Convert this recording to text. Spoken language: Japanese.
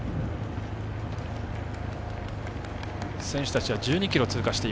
選手たちは１２ｋｍ通過。